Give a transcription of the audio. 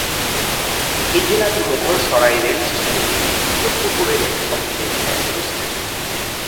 এই জেলার মুঘল সরাই রেল স্টেশনটি উত্তর-পূর্ব রেলের সবচেয়ে ব্যস্ত স্টেশন।